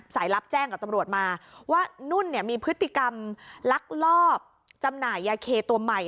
รับแจ้งกับตำรวจมาว่านุ่นเนี่ยมีพฤติกรรมลักลอบจำหน่ายยาเคตัวใหม่